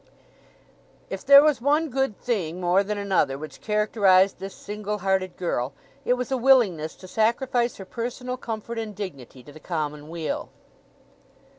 If there was one good thing more than another which characterized this single hearted girl it was a willingness to sacrifice her personal comfort and dignity to the common weal.